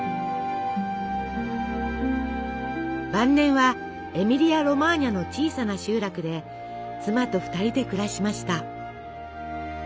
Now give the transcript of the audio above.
晩年はエミリア・ロマーニャの小さな集落で妻と２人で暮らしました。